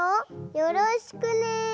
よろしくね。